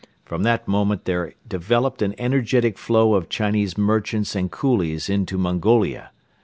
From that moment there developed an energetic flow of Chinese merchants and coolies into Mongolia.